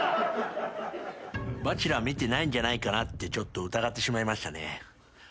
『バチェラー』見てないんじゃないかなって疑ってしまいましたね。